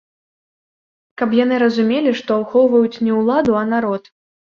Каб яны разумелі, што ахоўваюць не ўладу, а народ.